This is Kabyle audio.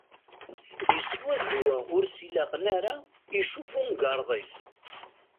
Yeswa ddwa ur s-ilaqen ara icuf umgarḍ-is.